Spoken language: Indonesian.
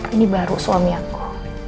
ini baru suami aku